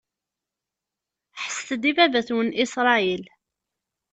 Ḥesset-d i baba-twen Isṛayil!